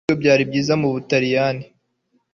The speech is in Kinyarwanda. Ibiryo byari byiza mu Butaliyani